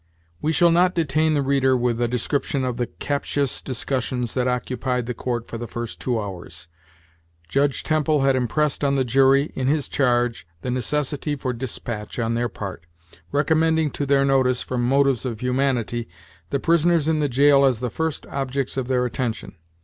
We shall not detain the reader with a description of the captious discussions that occupied the court for the first two hours, Judge Temple had impressed on the jury, in his charge, the necessity for dispatch on their part, recommending to their notice, from motives of humanity, the prisoners in the jail as the first objects of their attention.